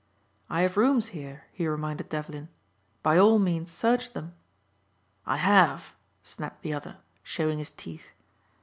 "I have rooms here," he reminded Devlin, "by all means search them." "I have," snapped the other, showing his teeth.